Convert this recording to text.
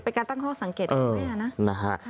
เป็นการตั้งข้อสังเกตของแม่นะนะฮะ